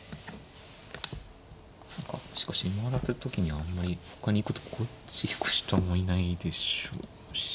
何かしかし回られた時にあんまりほかに行くとここっち引く人もいないでしょうし。